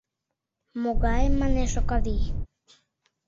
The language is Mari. — Могае? — манеш Окавий.